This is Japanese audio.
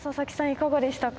いかがでしたか？